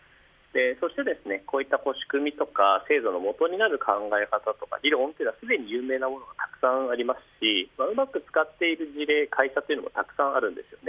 そしてこういった仕組みや制度のもとになる考え方や議論は、すでに有名なものがたくさんありますしうまく使っている事例会社もたくさんあります。